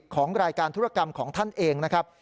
ของรายการธุรกรรมของท่านเองนะครับ